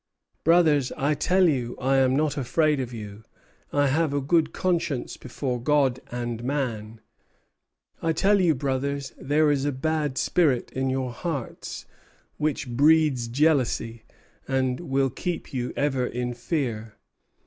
'Brothers, I tell you I am not afraid of you. I have a good conscience before God and man. I tell you, brothers, there is a bad spirit in your hearts, which breeds jealousy, and will keep you ever in fear.'"